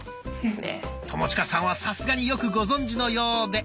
友近さんはさすがによくご存じのようで。